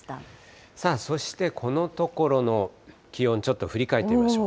そして、このところの気温、ちょっと振り返ってみましょう。